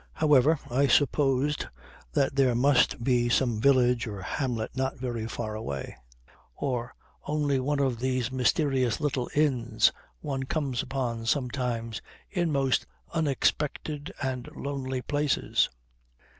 However, I supposed that there must be some village or hamlet not very far away; or only one of these mysterious little inns one comes upon sometimes in most unexpected and lonely places.